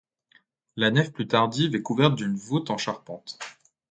La nef plus tardive est couverte d'une voûte en charpente.